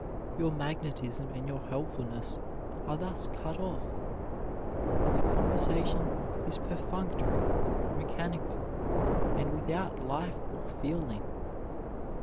Your magnetism and your helpfulness are thus cut off, and the conversation is perfunctory, mechanical, and without life or feeling.